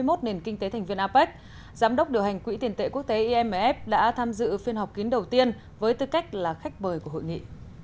trong năm hai nghìn hai mươi một nền kinh tế thành viên apec giám đốc điều hành quỹ tiền tệ quốc tế imf đã tham dự phiên học kín đầu tiên với tư cách là khách bời của hội nghị